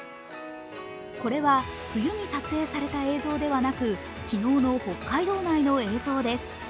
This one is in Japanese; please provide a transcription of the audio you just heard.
これは、冬に撮影された映像ではなく昨日の北海道内の映像です。